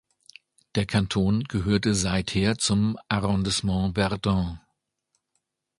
Der Kanton gehörte seither zum Arrondissement Verdun.